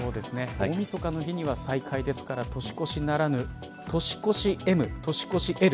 大みそかには再開ですから年越しならぬ年越しＭ、年越しＬ